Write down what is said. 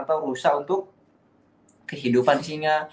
atau rusak untuk kehidupan singa